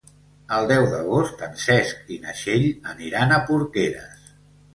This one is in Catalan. El deu d'agost en Cesc i na Txell aniran a Porqueres.